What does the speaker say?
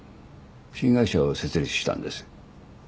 新会社を設立したんです。